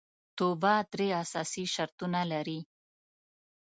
توبه درې اساسي شرطونه لري